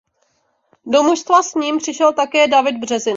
Do mužstva s ním přišel také David Březina.